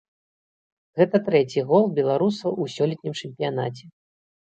Гэта трэці гол беларуса ў сёлетнім чэмпіянаце.